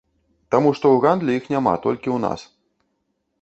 Таму што ў гандлі іх няма, толькі ў нас.